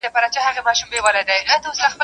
نه اسمان نه مځکه وینم خړي دوړي پورته کېږي.